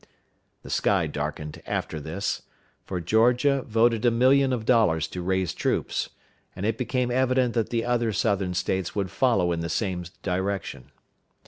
The sky darkened after this, for Georgia voted a million of dollars to raise troops, and it became evident that the other Southern States would follow in the same direction.